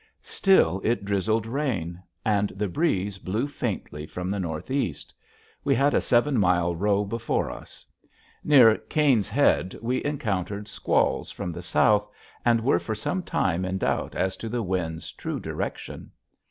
Still it drizzled rain and the breeze blew faintly from the northeast. We had a seven mile row before us. Near Caines Head we encountered squalls from the south and were for sometime in doubt as to the wind's true direction.